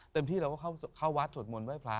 ที่เราก็เข้าวัดสวดมนต์ไห้พระ